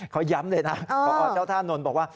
เขาย้ำเลยนะพอเจ้าท่านนนท์บอกว่า